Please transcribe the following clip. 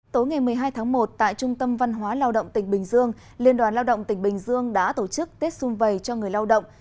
tối ngày một mươi hai tháng một tại trung tâm văn hóa lao động tỉnh bình dương liên đoàn lao động tỉnh bình dương đã tổ chức tết xung vầy cho người lao động